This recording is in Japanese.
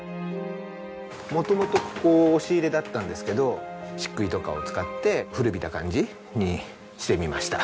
元々ここ押し入れだったんですけど漆喰とかを使って古びた感じにしてみました。